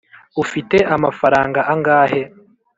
ufite amafaranga angahe?